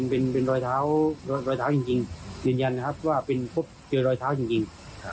เป็นรอยเท้าจริงยืนยันนะครับว่าเจอรอยเท้าจริง